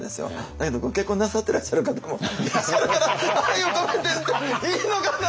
だけどご結婚なさってらっしゃる方もいらっしゃるから「愛を込めて」っていいのかな？